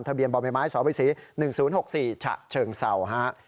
ทะเบียนบ่อไม้ไม้สอบวิศี๑๐๖๔ชะเชิงเสา